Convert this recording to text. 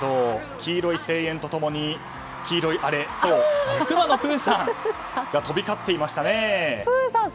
黄色い声援と共に、黄色いあれそう、くまのプーさんが飛び交っていましたね。